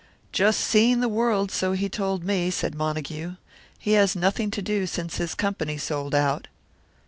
"Just seeing the world, so he told me," said Montague. "He has nothing to do since his company sold out."